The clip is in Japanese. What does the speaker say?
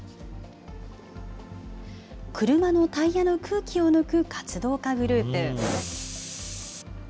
車のタイヤの空気を抜く活動家グループ。